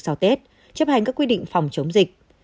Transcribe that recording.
sau tết chấp hành các quy định phòng chống dịch